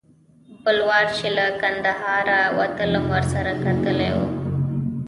بل وار چې له کندهاره وتلم ورسره کتلي و.